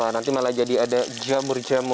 nanti malah jadi ada jamurnya